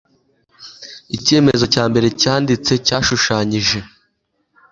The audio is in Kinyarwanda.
Icyemezo cya mbere cyanditse cyashushanyije